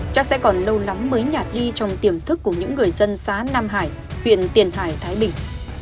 chắc sẽ còn lâu lắm mới nhạt đi trong tiềm thức của những người dân xã nam hải huyện tiền hải thái bình